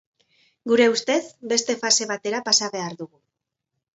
Gure ustez, beste fase batera pasa behar dugu.